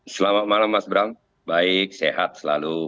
selamat malam mas bram baik sehat selalu